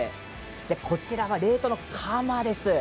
こちらは冷凍の、かまです。